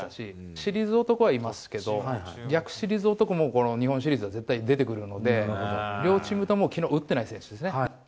シリーズ男はいますけど逆シリーズ男も日本シリーズは絶対出てくるので両チームとも打っていない選手ですね。